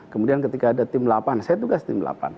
kemudian ketika ada tim delapan saya tugas tim delapan